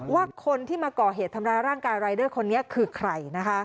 ว่าคนที่มาก่อเหตุทำร้ายร่างกายรายเดอร์คนนี้คือใคร